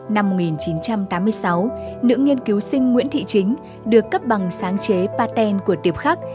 năm một nghìn chín trăm tám mươi sáu nữ nghiên cứu sinh nguyễn thị chính được cấp bằng sáng chế paten của điệp khắc